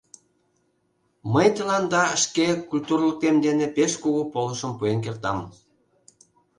Мый тыланда шке культурлыкем дене пеш кугу полышым пуэн кертам...